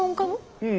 うん。